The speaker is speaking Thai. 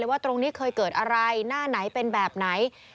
ว่าตรงนี้เคยเกิดอะไรหน้าไหนเป็นแบบไหน